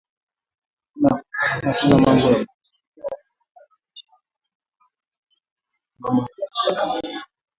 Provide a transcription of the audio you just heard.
Akuna tena mambo ya kufwa na njala kama mama eko na rima